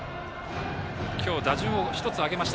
今日、打順を１つ上げました。